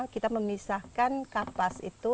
kita memisahkan kapas itu